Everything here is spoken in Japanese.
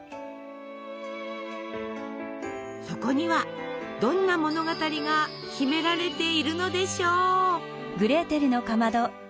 そこにはどんな物語が秘められているのでしょう！